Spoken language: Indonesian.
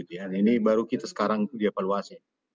ini baru kita sekarang dievaluasi